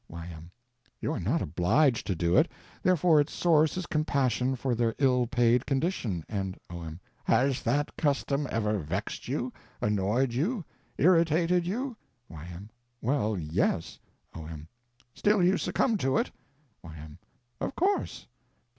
Y.M. You are not obliged to do it, therefore its source is compassion for their ill paid condition, and— O.M. Has that custom ever vexed you, annoyed you, irritated you? Y.M. Well, yes. O.M. Still you succumbed to it? Y.M. Of course.